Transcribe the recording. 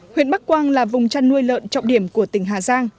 huyện bắc quang là vùng chăn nuôi lợn trọng điểm của tỉnh hà giang